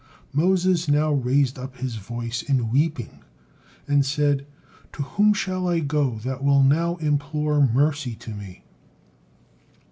Moses now raised up his voice in weeping, and said, "To whom shall I go that will now implore mercy to me?"